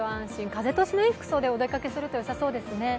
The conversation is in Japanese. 風通しのいい服装でお出かけするとよさそうですね。